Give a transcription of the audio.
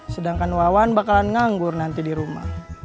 sedangkan wawan bakalan nganggur nanti di rumah